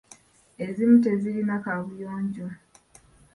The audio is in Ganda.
Ezimu tezirina kaabuyonja.